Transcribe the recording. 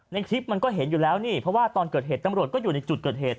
ในคลิปมันก็เห็นอยู่แล้วนี่เพราะว่าตอนเกิดเหตุตำรวจก็อยู่ในจุดเกิดเหตุ